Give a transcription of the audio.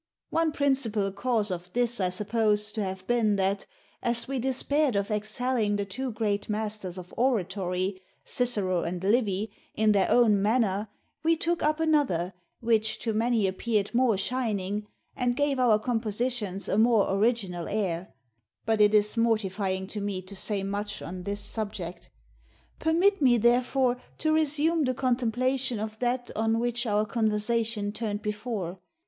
One principal cause of this I suppose to have been that, as we despaired of excelling the two great masters of oratory, Cicero and Livy, in their own manner, we took up another, which to many appeared more shining, and gave our compositions a more original air; but it is mortifying to me to say much on this subject. Permit me, therefore, to resume the contemplation of that on which our conversation turned before.